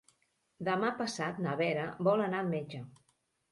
Demà passat na Vera vol anar al metge.